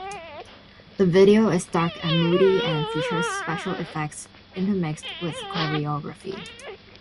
The video is "dark and moody" and features special effects intermixed with choreography.